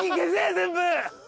全部。